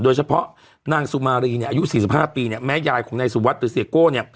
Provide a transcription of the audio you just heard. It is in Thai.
โดยเฉพาะนางสุมารีอายุ๔๕ปีแม่ยายของนายสุวัสดิ์หรือเสียโก้